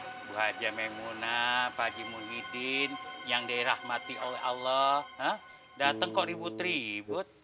jadi bu haji memunah pak jimun hidin yang dirahmati oleh allah datang kok ribut ribut